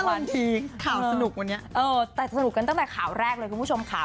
บางทีข่าวสนุกวันนี้แต่สนุกกันตั้งแต่ข่าวแรกเลยคุณผู้ชมค่ะ